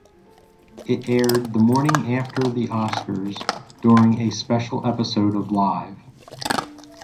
It aired the morning after the Oscars, during a special episode of Live!